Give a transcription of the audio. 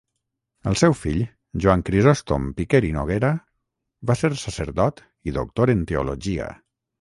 El seu fill, Joan Crisòstom Piquer i Noguera, va ser sacerdot i doctor en teologia.